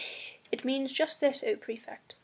"It means just this, O praefect!